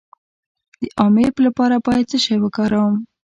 د امیب لپاره باید څه شی وکاروم؟